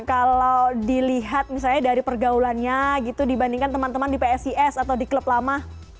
kalau dilihat misalnya dari pergaulannya gitu dibandingkan teman teman di psis atau di klub lama